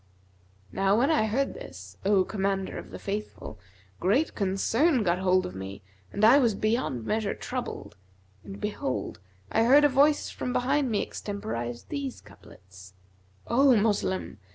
Now when I heard this, O Commander of the Faithful, great concern get hold of me and I was beyond measure troubled, and behold, I heard a Voice from behind me extemporise these couplets, 'O Moslem!